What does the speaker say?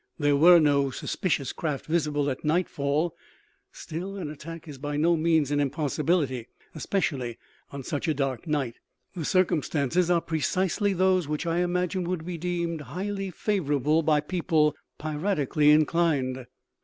"There were no suspicious craft visible at nightfall. Still, an attack is by no means an impossibility, especially on such a dark night. The circumstances are precisely those which I imagine would be deemed highly favourable by people piratically inclined."